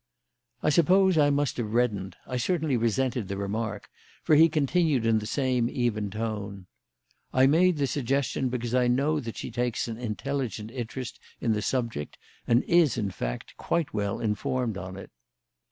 I suppose I must have reddened I certainly resented the remark for he continued in the same even tone: "I made the suggestion because I know that she takes an intelligent interest in the subject and is, in fact, quite well informed on it."